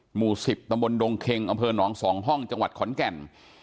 หมู่๑๐ตำบลดงเค็งอำเภอหนอง๒ห้องจังหวัดขอนแก่น